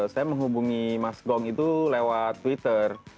saya menghubungi mas gong itu lewat twitter